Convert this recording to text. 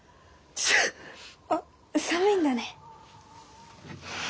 あっ寒いんだね。